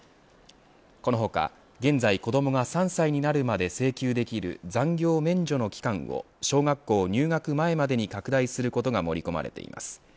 この他現在子どもが３歳になるまで請求できる残業免除の期間を小学校入学前までに拡大することが盛り込まれています。